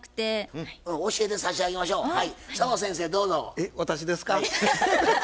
えっ私ですか？